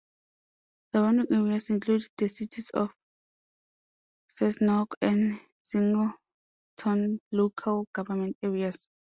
Surrounding areas include the cities of Cessnock and Singleton local government areas.